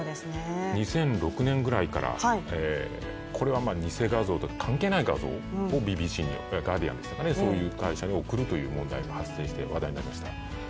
２００６年ぐらいから、これは偽画像で関係ない画像をＢＢＣ、「ガーディアン」に送るということも発覚して、話題になりました。